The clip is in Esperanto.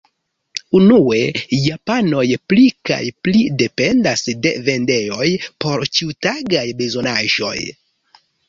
Unue, japanoj pli kaj pli dependas de vendejoj por ĉiutagaj bezonaĵoj.